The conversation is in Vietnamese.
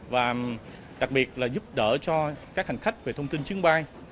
và đặc biệt là giúp đỡ cho các hành khách về thông tin chuyến bay